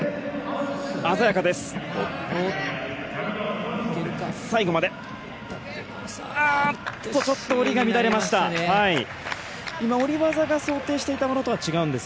鮮やかです。